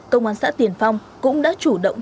công an xã tiền phong cũng đã chủ động